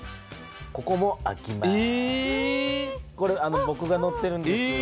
これぼくがのってるんです。